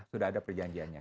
sudah ada perjanjiannya